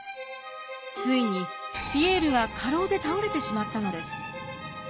ついにピエールが過労で倒れてしまったのです。